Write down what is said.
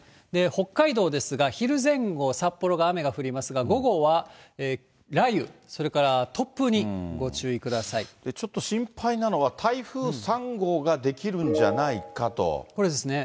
北海道ですが、昼前後、札幌で雨が降りますが、午後は雷雨、ちょっと心配なのは、これですね。